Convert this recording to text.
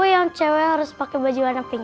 yang cewek harus pakai baju warna pink